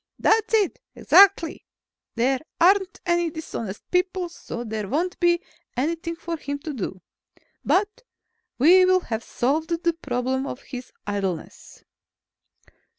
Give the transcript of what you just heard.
"That's it, exactly. There aren't any dishonest people, so there won't be anything for him to do. But we will have solved the problem of his idleness."